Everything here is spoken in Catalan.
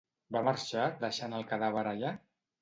Va marxar deixant el cadàver allà?